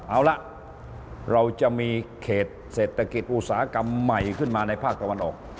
เอาล่ะเราจะมีเขตเศรษฐกิจอุตสาหกรรมใหม่ขึ้นมาในภาคตะวันออก